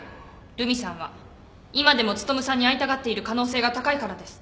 留美さんは今でも努さんに会いたがっている可能性が高いからです。